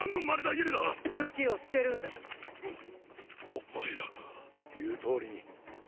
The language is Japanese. ⁉お前ら⁉言うとおりに。